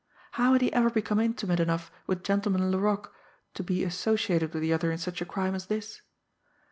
How had he ever become intimate enough with Gentleman Laroque to be associated with the other in such a crime as this?